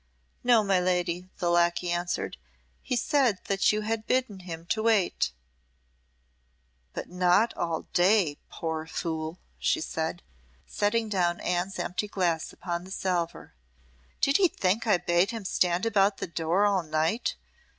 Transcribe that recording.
"No, my lady," the lacquey answered. "He said that you had bidden him to wait." "But not all day, poor fool," she said, setting down Anne's empty glass upon the salver. "Did he think I bade him stand about the door all night?